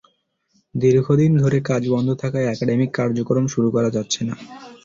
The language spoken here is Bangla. দীর্ঘদিন ধরে কাজ বন্ধ থাকায় একাডেমিক কার্যক্রম শুরু করা যাচ্ছে না।